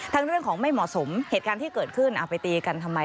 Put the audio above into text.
เรื่องของไม่เหมาะสมเหตุการณ์ที่เกิดขึ้นเอาไปตีกันทำไม